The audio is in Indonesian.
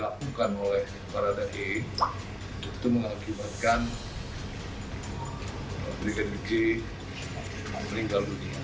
itu mengakibatkan bdwg meninggal dunia